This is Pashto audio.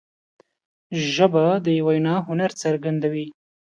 ژبه د وینا هنر څرګندوي